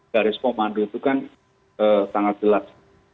dari sebuah komando itu kan sangat gelap